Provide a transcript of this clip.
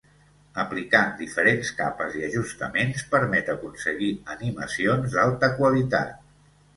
Aplicant diferents capes i ajustaments permet aconseguir animacions d'alta qualitat.